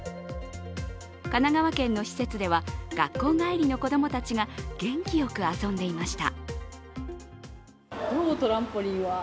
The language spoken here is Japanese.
神奈川県の施設では学校帰りの子供たちが元気よく遊んでいました。